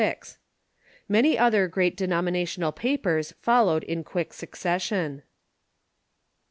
Many other great denominational papers followed in quick succession.